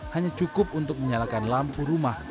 hanya cukup untuk menyalakan lampu rumah